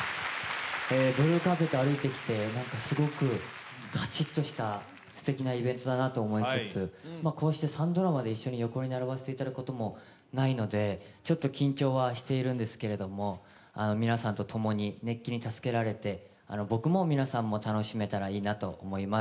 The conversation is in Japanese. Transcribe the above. ブルーカーペットを歩いてきてすごくガチっとしたすてきなイベントだなと思いつつ、こうして３ドラマで横に並ばせていただくこともないので緊張はしているんですけど皆さんと共に、熱気に助けられて、僕も皆さんも楽しめたらいいなと思います。